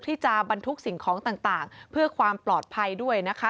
ที่จะบรรทุกสิ่งของต่างเพื่อความปลอดภัยด้วยนะคะ